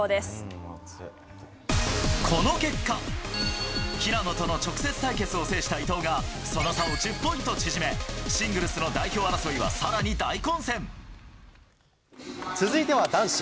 この結果、平野との直接対決を制した伊藤が、その差を１０ポイント縮め、シングルスの代表争いはさらに大続いては男子。